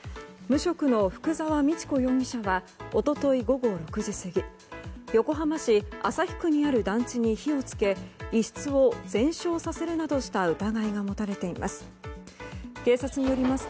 無職の福沢道子容疑者は一昨日午後６時過ぎ横浜市旭区にある団地に火を付け一室を全焼させるなどした疑いが持たれています。